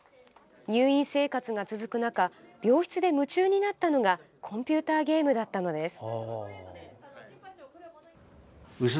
入院生活が続く中病室で夢中になったのがコンピュータゲームだったのです。